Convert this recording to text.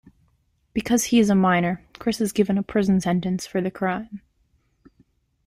Because he is a minor, Chris is given a prison sentence for the crime.